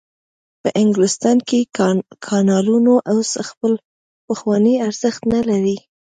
په انګلستان کې کانالونو اوس خپل پخوانی ارزښت نلري.